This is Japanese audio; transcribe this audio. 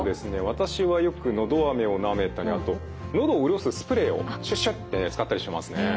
私はよくのどあめをなめたりあとのどを潤すスプレーをシュッシュッて使ったりしますね。